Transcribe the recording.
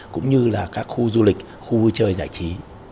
cũng như là các khu du lịch khu vui chơi giải trí